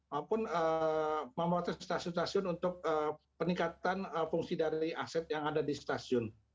maupun memotos stasiun stasiun untuk peningkatan fungsi dari aset yang ada di stasiun